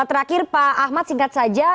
terakhir pak ahmad singkat saja